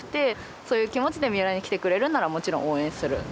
そういう気持ちで三浦に来てくれるんならもちろん応援する。